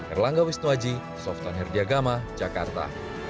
erlangga wisnuaji softan herdiagama jakarta